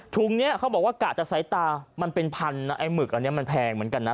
ถุงนี้เขาบอกว่ากะจะสายตามันเป็นพันนะไอ้หมึกอันนี้มันแพงเหมือนกันนะ